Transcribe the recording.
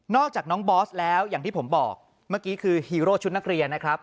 อกจากน้องบอสแล้วอย่างที่ผมบอกเมื่อกี้คือฮีโร่ชุดนักเรียนนะครับ